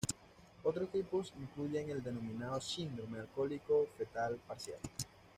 Otros tipos incluyen el denominado síndrome alcohólico fetal parcial.